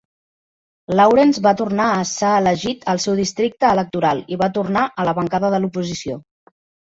Lawrence va tornar a se elegit al seu districte electoral i va tornar a la bancada de l'oposició.